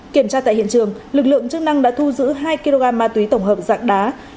kiểm tra tại hiện trường lực lượng chức năng đã thu giữ hai kg ma túy tổng hợp dạng đá